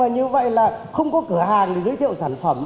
như vậy là không có cửa hàng để giới thiệu sản phẩm